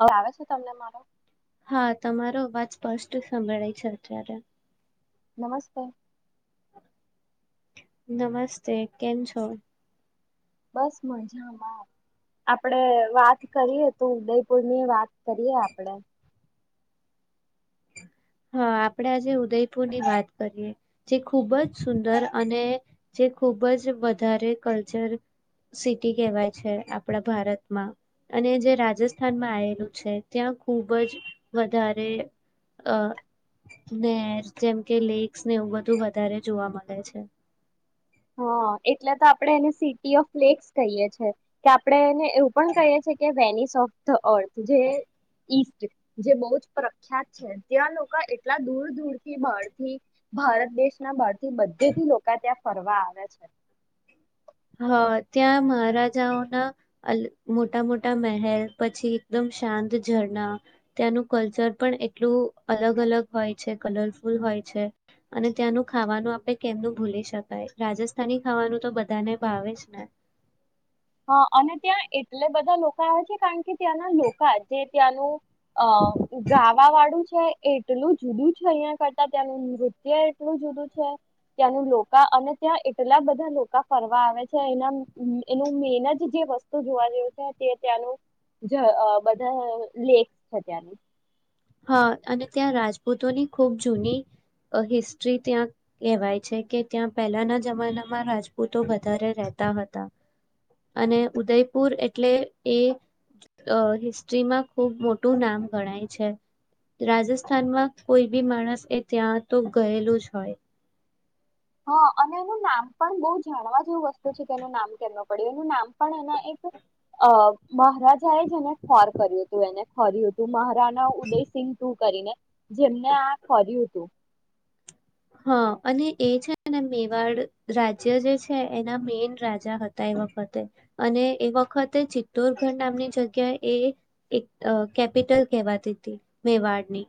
અવે આવે છે, તમને મારો? હા, તમારો અવાજ સ્પષ્ટ સંભળાય છે, અત્યારે. નમસ્તે. નમસ્તે કેમ છો? બસ મજામાં આપડે વાત કરીએ તો ઉદયપુરની વાત કરીએ આપડે. હા આપણે આજે ઉદયપુરની વાત કરીએ જે ખૂબ જ સુંદર અને જે ખૂબ જ વધારે કલ્ચર સિટી કહેવાય છે આપણા ભારતમાં અને જે રાજસ્થાનમાં આવેલું છે ત્યાં ખૂબ જ વધારે અ નેર જેમ કે લેક્સને એવું બધું વધારે જોવા મળે છે. હા એટલે તો આપડે એને સિટી ઓફ ફ્લેક્સ કહીએ છે કે આપડણે એને એવું પણ કહી છે કે વેનીશ ટોપ થે અર્થ જે ઈ જે બહુ જ પ્રખ્યાત છે ત્યાં લોકો એટલા દૂર દૂરથી બહાર થી ભારત દેશના બહાર થી બધેથી લોકા ત્યાં ફરવા આવે છે. હા ત્યાં મહારાજાઓના મોટા મોટા મહેલ પછી એકદમ શાંત ઝરણા ત્યાંનું કલ્ચર પણ એટલું અલગ અલગ હોય છે કલરફુલ હોય છે અને ત્યાંનું ખાવાનું આપે કેમનું ભૂલી શકાય રાજસ્થાની ખાવાનું તો બધાને ભાવે જ ને. હા અને ત્યાં એટલે બધા લોકો આવે છે કારણ કે ત્યાંના લોકો જે ત્યાંનું અ ગાવા વાળું છે. એટલું જુદું છે અહિયાં કરતા ત્યાંનું નૃત્ય એટલું જુદું છે ત્યાંનું લોકોકા અને ત્યાં એટલા બધા લોકો ફરવા આવે છે એના એનું મેન જ જે વસ્તુ જોવા જે છે તે ત્યાંનું બધા લેક્સ છે ત્યાંનું હા અને ત્યાં રાજપૂતોની ખૂબ જૂની હિસ્ટ્રી ત્યાં કહેવાય છે કે ત્યાં પહેલાના જમાનામાં રાજપૂતો વધારે રહેતા હતા અને ઉદયપુર એટલે એ હિસ્ટ્રીમાં ખૂબ મોટું નામ ગણાય છે. રાજસ્થાનમાં કોઈ બી માણસ એ ત્યાં તો ગયેલું જ હોય. હા અને એનું નામ પણ બહુ જાણવા જેવું વસ્તુ છે કે એનું નામ કેમ ન પડ્યું એનું નામ પણ એના એક મહારાજા એ જ એને ખોર કર્યું હતું એને ખોર્યું હતું મહાર- રાણા ઉદયસિં ટુ કરીને જેમને આ કર્યું હતું. હા અને એ છે ને મેવાડ રાજ્ય જે છે એના મેઈન રાજા હતા એ વખતે અને એ વખતે ચિત્તોરગઢ નામની જગ્યા એ એક કેપિટલ કહેવાતી હતી મેવાડની.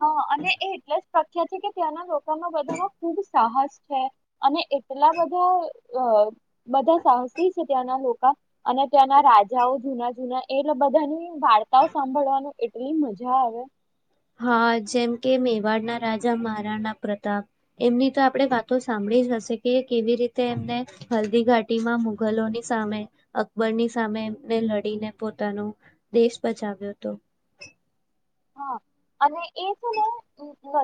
હ અને એ એટલે જ. પ્રખ્યાત છે કે ત્યાંના લોકોમાં બધામાં ખુબ સાહસ છે, અને એટલા બધા અ બધા સાહસી છે ત્યાંના લોકો. અ અને ત્યાંના રાજાઓ જૂના જૂના એટલે બધાની વાર્તાઓ સાંભળવાનું એટલી મજા આવે. હા જેમ કે મેવાડના રાજા મહારાણા પ્રતાપ, એમની તો આપણે વાતો સાંભળી જ હશે કે કેવી રીતે એમને, હલ્દી ઘાટીમાં મુઘલોની સામે, અકબરની સામે એમને લડીને પોતાનું દેશ બચાવ્યો હતો. હા અને એ છે ને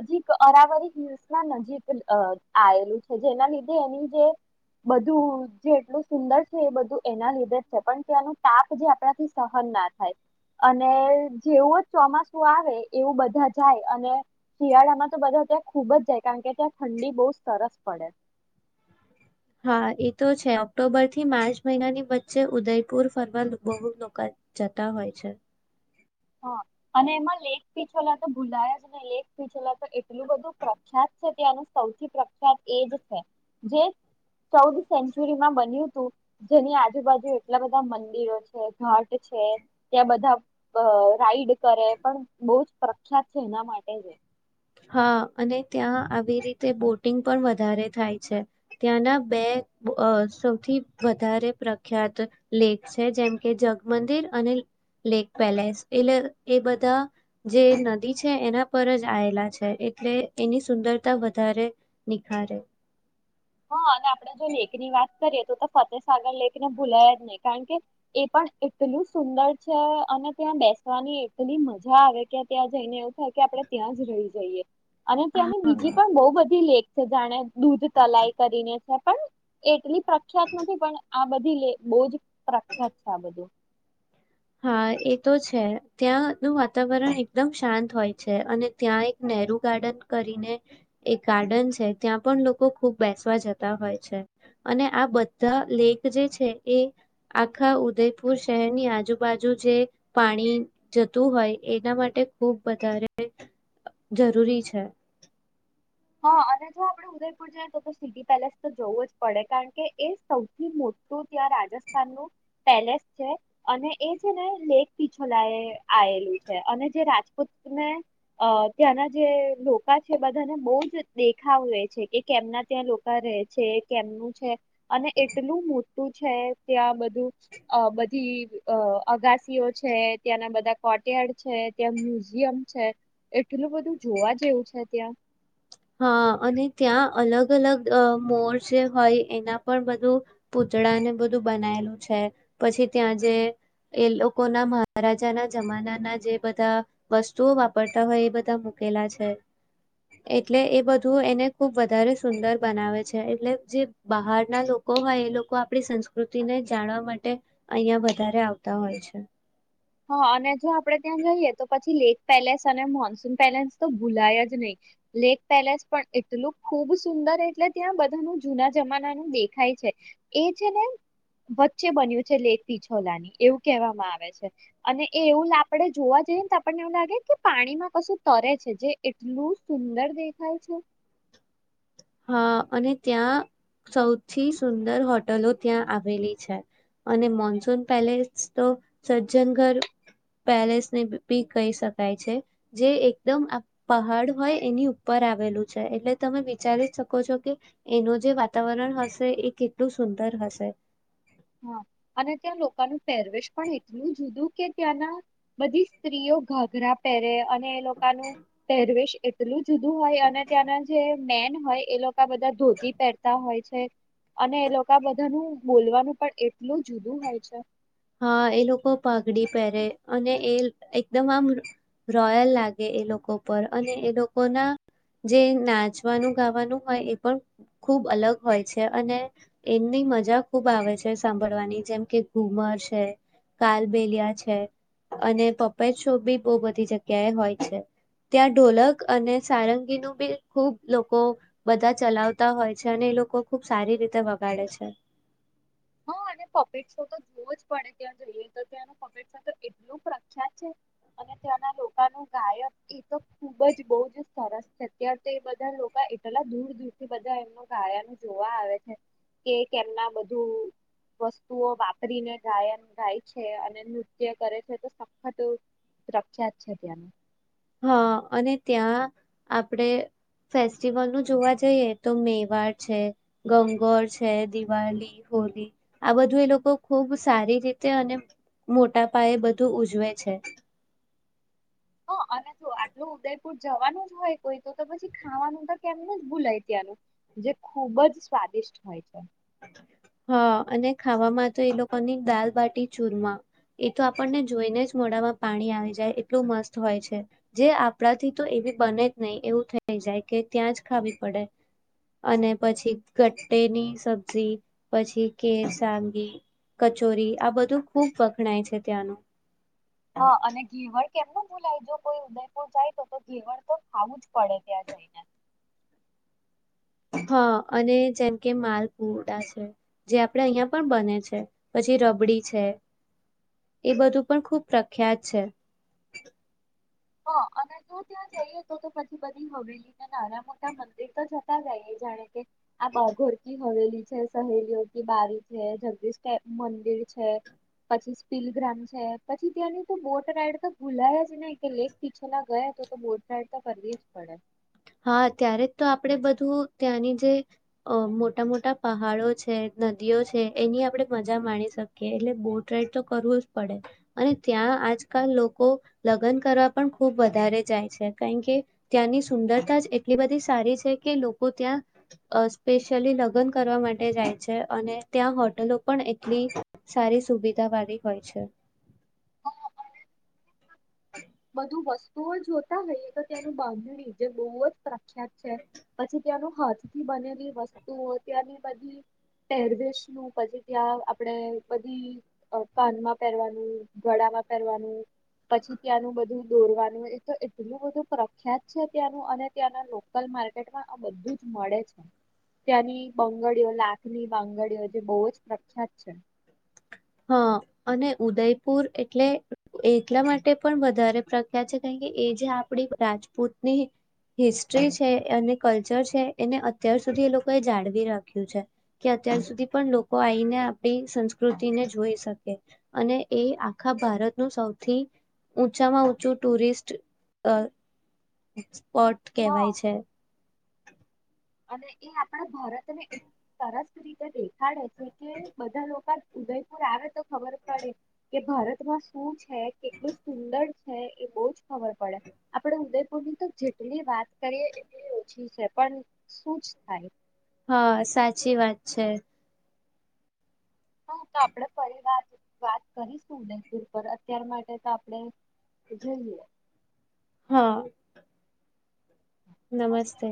નજીક અરાવરી હિલ્સ ના નજીક આવેલું છે જેના લીધે એની જે, બધું જે એટલું સુંદર છે એ બધું એના લીધે જ છે પણ તેનું તાપ જે આપણાથી સહન ના થાય, અને જેવું જ ચોમાસું મસુ આવે એવું બધા જાય અને, શિયાળામાં તો બધા ત્યાં ખૂબ જ જાય કારણ કે ત્યાં ઠંડી બહુ સરસ પડે. હા એ તો છે ઓક્ટોબર થી માર્ચ મહિનાની વચ્ચે ઉદયપુર ફરવા બહુ લોકો જતા હોય છે. હા અને એમાં લેક પીચોલા તો ભૂલાયા જ ને લેક પીચલા તો એટલું બધું પ્રખ્યાત છે ત્યાંનું સૌથી પ્રખ્યાત એજ છે, જે ચૌદ સેન્ચુરીમાં બન્યું તું, જેની આજુબાજુ એટલા બધા મંદિરો છે ઘટ છે, ત્યાં બધા અ રાઈડ કરે પણ બહુ જ પ્રખ્યાત છે એના માટે જ એ. હા અને ત્યાં આવી રીતે બોટિંગ પણ વધારે થાય છે, ત્યાંના બે સૌથી વધારે પ્રખ્યાત લેક છે જેમ કે જગમંદિર અને લેક પેલેસ એ એ બધા જે નદી છે એના પર જ આવેલા છે. અ એટલે એની સુંદરતા વધારે, નિખારે. હા અને આપડણે જો લેક ની વાત કરીએ તો ફતેહસાગર લેક ને ભૂલાય જ નહી કારણ કે, એ પણ એટલું સુંદર છે અને ત્યાં બેસવાની એટલી મજા આવે કે ત્યાં જઈને એવું થાય કે આપણે ત્યાં જ રહી જઈએ. અને તેની હા બીજી પણ બહુ બધી લેક કે જાણે દૂધ તલાય. કરીને છે પણ એટલી પ્રખ્યાત નથી પણ આ બધી લેખ બહુ જ પ્રખ્યાત છે આ બધું. હા એ તો છે ત્યાંનું વાતાવરણ એકદમ શાંત હોય છે અને ત્યાં એક નેહરુ ગાર્ડન કરીને, એક ગાર્ડન છે ત્યાં પણ લોકો ખુબ બેસવા જતા હોય છે, અને આ બધા લેક જે છે એ, આખા ઉદયપુર શહેરની આજુુ બાજુ જે પાણી જતું હોય એના માટે ખૂબ વધારે જરૂરી છે. હા અને જો આપડે ઉદયપુર જઈએ તો તો સિટી પેલેસ તો જોવું જ પડે કારણ કે એ સૌથી મોટું ત્યાં રાજસ્થાનનુ પેલેસ છે, અને એ છે ને લેખ પીછોલા આયેલું છે અને જે રાજપૂતને અ ત્યાંના જે લોકા છે બધાને બહ દેખાવે છે એ કેમના ત્યાં લોકા રહે છે, કેમનું છે, અને એટલું મોટું છે, ત્યાં બધું અ બધી અ અગાસીઓ છે, ત્યાંના બધા કોર્ટયાર્ડ છે, ત્યાં મ્યુઝિયમ છે, એટલું બધું જોવા જેવું છે ત્યાં. હા અને ત્યાં અલગ અલગ અ મોર જે હોય એના પણ બધું પૂતળાને બધું બનાયેલું છે, પછી ત્યાં જે એ લોકોના મહારાજાના જમાનાના જે બધા વસ્તુઓ વાપરતા હોય એ બધા મૂકેલા છે. એટલે એ બધું એને ખુબ વધારે સુંદર બનાવે છે એટલે જે બહારના લોકો હોય એ લોકો આપણી સંસ્કૃતિને જાણવા માટે, અહિયાં વધારે આવતા હોય છે. હા અને જો આપડે ત્યાં જઈએ તો પછી લેક પેલેસ અને મોન્સૂન પેલેસ તો ભૂલાય જ નહી, લેક પેલેસ પણ એટલું ખુબ સુંદર એટલે ત્યાં બધાનું જૂના જમાનાનું દેખાય છે, એ છે ને વચ્ચે બન્યું છે લેક પિછોલાની એવું કહેવામાં આવે છે. અને એ એવું લા આપણેે જોવા જઈએ તો આપણને એવું લાગે કે પાણીમાં કશું તરે છે જે એટલું સુંદર દેખાય છે. હા અને ત્યાં સૌથી સુંદર હોટલો ત્યાં આવેલી છે, અને મોનસૂન પેલેસતો સજ્જનઘર પેલેસ ને બી કહી શકાય છે, જે એકદમ પહાડ હોય એની ઉપર આવેલું છે એટલે તમે વિચારી. શકો છો કે એનું જે વાતાવરણ હશે એ કેટલું સુંદર હશે. હા અને ત્યાં લોકાનું પહેરવેશ પણ એટલું જુદું કે ત્યાંના બધી સ્ત્રીઓ ઘાઘરા પહેરે અ એ લોકાનું પહેરવેેશ. એટલું. જુદું હોય અને ત્યાંના જે મેન. હોય એ લોક. એ બધા ધોતી પહેરતા હોય છે. અને એ લોકો બધાનું બોલવાનું. પણ એટલું જુદું હોય છે. હા એ લોકો પાઘડી પહેરે અને એ એકદમ આમ રોયલ લાગે એ લોકો પર અને એ લોકોના, જે નાચવાનું ગાવાનું હોય એ પણ ખુબ અલગ હોય છે, અને એમની મજા ખૂબ આવે છે સાંભળવાની જેમ કે ઘુમર. છે કાલબેલિયા છે, અને પપેટ શો બી બહુ બધી જગ્યા એ હોય છે, ત્યાં ઢોલક અને સારંગીનું બી ખુબ લોકો બધા ચલાવતા હોય છે અને એ લોકો ખુબ સારી રીતે વગાડે છે. હ પપેટ શો જોવો જ પડે ત્યાં જઈએ તો ત્યાંનું પપેશો તો એટલું પ્રખ્યાત છે, અને ત્યાંના લોકાનું ગાયક એ તો ખુબ જ બહુ જ સરસ છે અત્યારે તો બધા લોકા એટલા દૂર દૂરથી બધા એમનું ગાયન જોવા આવે છે, કે કેમના બધું. વસ્તુઓ વાપરીને ગાયન ગાય છે અને નૃત્ય કરે છે તો સખત પ્રખ્યાત છે ત્યાંનું હા અને ત્યાં આપડે ફેસ્ટિવલ નું જોવા જઈએ તો મેવાડ છે, ગંગોર છે, દિવાળી, હોલી, આ બધું એ લોકો ખૂબ સારી રીતે અને મોટા પાયે બધું ઉજવે છે. હ અને જો આટલું ઉદયપુર જવાનું જ હોય કોઈ તો તો પછી ખાવાનું તો કેમને જ ભૂલાય ત્યાંનું, જે ખુબ જ સ્વાદિષ્ટ હોય છે. હા અને ખાવામાં તો એ લોકોની દાલબાટી ચૂરમા, એ તો આપણને જોઈને જ મોડામાં પાણી આવી જાય એટલું મસ્ત હોય છે, જે આપણાથી તો એવી બને જ નહી એવું થઈ જાય કે ત્યાં જ ખાવી પડે, અને પછી ગટ્ટેની સ [unintelligible] પછી કે સાંગવી, કચોરી આ બધું ખુબ વખણાય છે ત્યાંનું હા અને ઘીવર કેમનું ભૂલાય, જો કોઈ ઉદયપુર જાય તો, તો ઘેવર તો ખાવું જ પડે ત્યાં જાયને. હા અને જેમ કે માલપુડા છે, જે આપણે અહિયાં પણ બને છે, પછી રબડી છે. એ બધું પણ ખૂબ પ્રખ્યાત છે. હા અને જો ત્યા જઈએ તો તો, પછી બધી હવેલી ને નાના મોટા મંદિર તો જતા આઈએ જાણે કે, આ બાઘોર કી હવેલી છે, સહેલીઓ કી બારી છે, જગદીશ મંદિર છે, પછી સ્પીલગ્રામ છે, પછી ત્યાંની તો બોટ રાઈડ તો ભુલાય જ નય કે લેક પીછલા ગયા તો તો બોટફાડ તો કરવી જ પડે. હા ત્યારે જ તો આપણેે બધું ત્યાંની જે મોટા મોટા પહાડો છે, નદીઓ છે, એની આપડે મજા માણી શકીએ એટલે બોટ રાઈડ તો કરવું જ પડે અને ત્યાં આજકાલ લોકો લગન કરવા પણ ખૂબ વધારે જાય છે કારણ કે ત્યાંની સુંદર સુંદરતા એટલી બધી સારી છે કે, લોકો ત્યાં સ્પેશિયલી લગન કરવા માટે જાય છે અને ત્યાં હોટલો પણ એટલી સારી સુવિધા વાળી હોય છે. હા, અને બધું વસ્તુઓ જોતા હોઈએ, તો ત્યાંનું બાંધણી જે બો જ પ્રખ પ્રખ્યાત છે, પછી ત્યાંનું હાથ થી બનેલી વસ્તુઓ ત્યાંની બધી પહેરવેશ નું, પછી ત્યાં આપણે બધી કાનમાં પહેરવાનું, ગળામાં પહેરવાનું પછી ત્યાંનું બધું દોરવાનું એ તો એટલું બધું પ્રખ્યાત છે. ત્યાંનું અને ત્યાંના લોકલ માર્કેટમાં આ બધું જ મળે છે. ત્યાંની બંગડીઓ, લાખની બંગડીઓ જે બો જ પ્રખ્યાત છે. હા અને ઉદયપુર એટલે એટલા માટે પણ વધારે પ્રખ્યાત છે કારણ કે એ જે આપડી રાજપૂતની હિસ્ટ્રી છે અને કલ્ચર છે એને અત્યાર સુધી એ લોકો એ જાળવી રાખ્યું છે, કે અત્યાર સુધી પણ લોકો આઈને આપણી સંસ્કૃતિને જો જોઈ શકે અને એ આખા ભારતનું સૌથી ઊંચામાં ઊંચું ટુરિસ્ટ અ પોટ હા કહેવાય છે. અને એ આપણા ભારત ને એટ સરસ રીતે દેખાડે છે, કે બધા લોકો ઉદયપુર આવે તો ખબર પડે કે ભારતમાં શું છે, કેટલું સુંદર છે, એ બો જ ખબર પડે. આપડે ઉદયપુર ની તો જેટલી વાત કરીએ એટલી ઓછી છે પણ શું જ થાય? હા, સાચી વાત છે. હા, તો આપણે ફરી વાત વાત કહીશું ને તે પર અત્યાર માટે તો આપડે જોઈએ. હા. નમસ્તે.